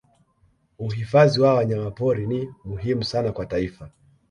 uhifadhi wa wanyamapori ni muhimu sana kwa taifa